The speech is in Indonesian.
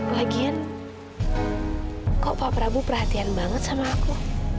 lagian kenapa pak prabu sangat perhatian pada aku